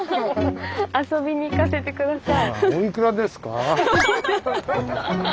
遊びに行かせて下さい。